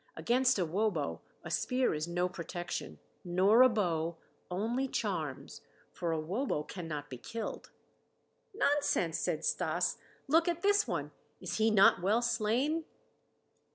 Against a wobo a spear is no protection, nor a bow, only charms, for a wobo cannot be killed." "Nonsense," said Stas, "look at this one; is he not well slain?"